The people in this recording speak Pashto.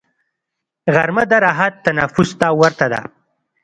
غرمه د راحت تنفس ته ورته ده